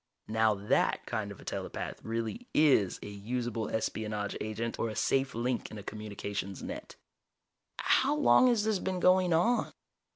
Now that kind of a telepath really is a usable espionage agent or a safe link in a communications net." "How long has this been going on?"